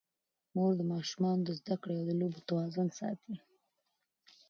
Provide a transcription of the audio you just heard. مور د ماشومانو د زده کړې او لوبو توازن ساتي.